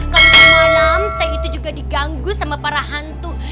kapan malam saya itu juga diganggu sama para hantu